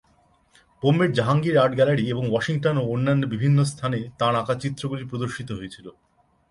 বোম্বের Jahangir art gallery এবং Washington ও অন্যান্য বিভিন্ন স্থানে তাঁর আঁকা চিত্রগুলি প্রদর্শিত হয়েছিল।